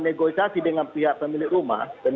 negosiasi dengan pihak pemilik rumah dan